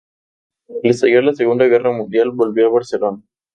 Al estallar la Segunda Guerra Mundial volvió a Barcelona.